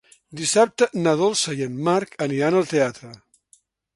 Dissabte na Dolça i en Marc aniran al teatre.